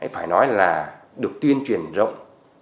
phải nói là được tuyên truyền rộng